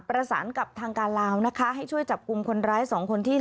ประสานกับทางการลาวนะคะให้ช่วยจับกลุ่มคนร้าย๒คนที่